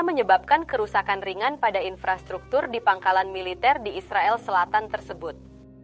menyebabkan kerusakan ringan pada infrastruktur di pangkalan militer di israel selatan tersebut